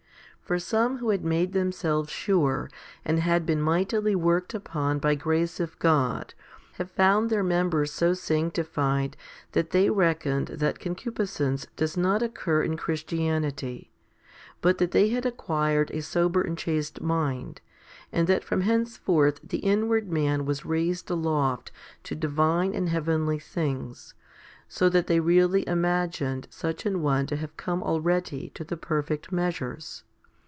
4. For some who had made themselves sure, and had been mightily worked upon by grace of God, have found their members so sanctified that they reckoned that con cupiscence does not occur in Christianity, but that they had acquired a sober and chaste mind, and that from henceforth the inward man was raised aloft to divine and heavenly things, so that they really imagined such an one to have come already to the perfect measures.